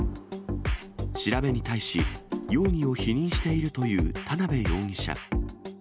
調べに対し容疑を否認しているという田辺容疑者。